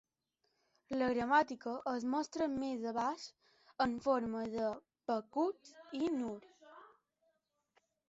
La gramàtica es mostra més abaix en forma de Backus i Naur.